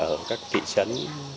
ở các thị trấn